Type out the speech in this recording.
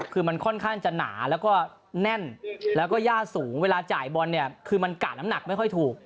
คือมันค่อนข้างจะหนาแล้วก็แน่นแล้วก็ย่าสูงเวลาจ่ายบอลเนี่ยคือมันกะน้ำหนักไม่ค่อยถูก